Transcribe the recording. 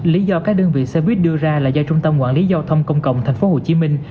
lý do các đơn vị xe buýt đưa ra là do trung tâm quản lý giao thông công cộng thành phố hồ chí minh